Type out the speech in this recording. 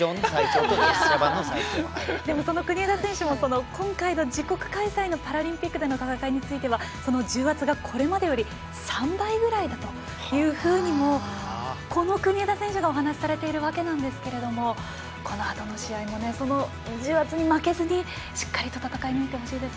その国枝選手も今回の自国開催でのパラリンピックでの戦いについては重圧がこれまでより３倍ぐらいだとこの国枝選手がお話されているわけなんですがこのあとの試合もその重圧に負けずにしっかりと戦い抜いてほしいです。